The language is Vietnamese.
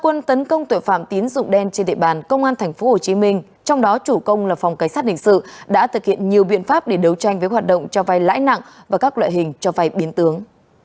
quân tấn công tội phạm tín dụng đen trên địa bàn công an tp hcm trong đó chủ công là phòng cảnh sát hình sự đã thực hiện nhiều biện pháp để đấu tranh với hoạt động cho vai lãi nặng và các loại hình cho vay biến tướng